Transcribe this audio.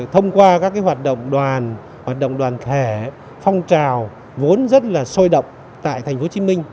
thông qua các hoạt động đoàn hoạt động đoàn thể phong trào vốn rất là sôi động tại tp hcm